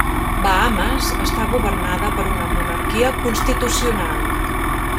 Bahames, està governada per una monarquia constitucional.